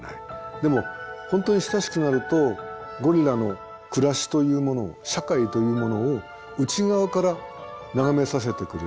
でも本当に親しくなるとゴリラの暮らしというものを社会というものを内側から眺めさせてくれる。